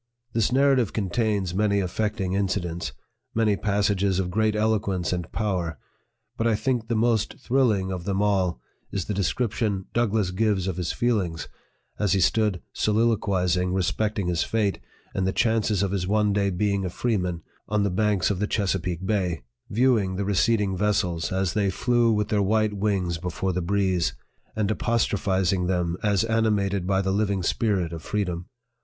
This Narrative contains many affecting incidents, many passages of great eloquence and power ; but I think the most thrilling one of them all is the descrip tion DOUGLASS gives of his feelings, as he stood so liloquizing respecting his fate, and the chances of his one day being a freeman, on the banks of the Chesa peake Bay viewing the receding vessels as they flew with their white wings before the breeze, and apostro phizing them as animated by the living spirit of free dom.